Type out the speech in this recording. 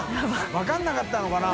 分からなかったのかな？